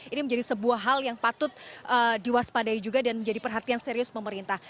ini menjadi sebuah hal yang patut diwaspadai juga dan menjadi perhatian serius pemerintah